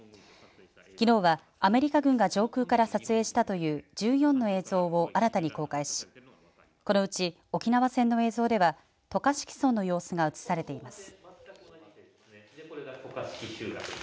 きのうはアメリカ軍が上空から撮影したという１４の映像を新たに公開しこのうち沖縄戦の映像では渡嘉敷村の様子が映されています。